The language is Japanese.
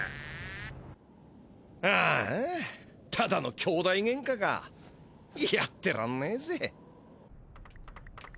ああただのきょうだいゲンカかやってらんねえぜ。